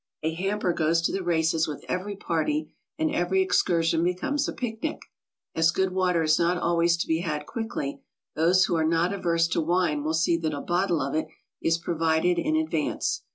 A hamper goes to the races with every party, and every excur sion becomes a picnic. As good water is not always to be had quickly, those who are not averse to wine will see that a bottle of it is provided in advance.